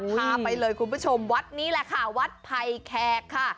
พาไปเลยคุณผู้ชมวัดนี้แหละค่ะวัดไผ่แขกค่ะ